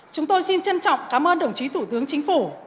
chúng tôi xin trân trọng cảm ơn đồng chí thủ tướng chính phủ